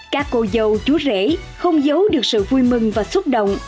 các cô dâu chú rể không giấu được sự vui mừng và xúc động